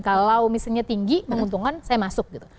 kalau misalnya tinggi menguntungkan saya masuk gitu